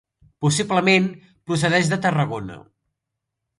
Possiblement procedeix de Tarragona.